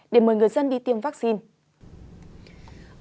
để mời người dân đi tiêm vaccine